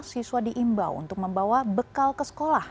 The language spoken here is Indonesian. siswa diimbau untuk membawa bekal ke sekolah